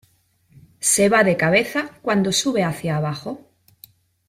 Se va de cabeza cuando sube hacia abajo.